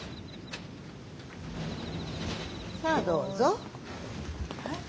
さあどうぞ。